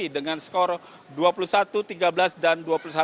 dengan skor dua puluh satu tiga belas dan dua puluh satu enam belas